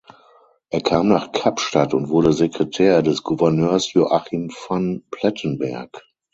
Er kam nach Kapstadt und wurde Sekretär des Gouverneurs Joachim van Plettenberg.